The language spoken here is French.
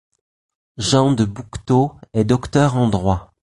Jean de Bouquetot est docteur en droit.